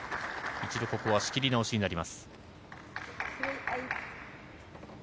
ここは仕切り直しになります。